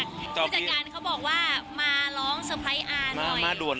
รู้จักการเขาบอกว่ามาร้องสเปรย์อาหน่อยมาด่วนเลยค่ะ